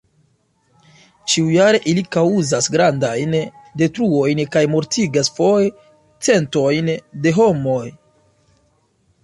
Ĉiujare ili kaŭzas grandajn detruojn kaj mortigas foje centojn da homoj.